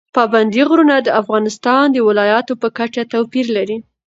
پابندي غرونه د افغانستان د ولایاتو په کچه توپیر لري.